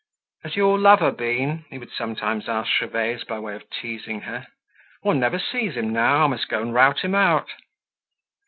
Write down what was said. "Has your lover been?" he would sometimes ask Gervaise by way of teasing her. "One never sees him now; I must go and rout him out."